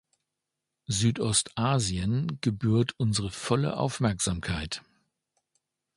Südostasien gebührt unsere volle Aufmerksamkeit.